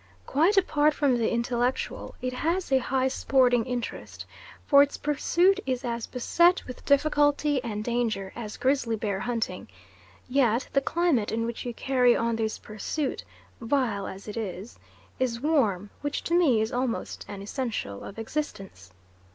Quite apart from the intellectual, it has a high sporting interest; for its pursuit is as beset with difficulty and danger as grizzly bear hunting, yet the climate in which you carry on this pursuit vile as it is is warm, which to me is almost an essential of existence.